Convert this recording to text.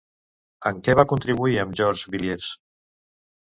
En què va contribuir amb George Villiers?